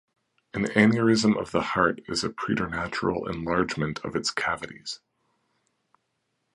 An aneurysm of the heart is a preternatural enlargement of its cavities.